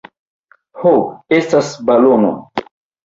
Ho estas balonoj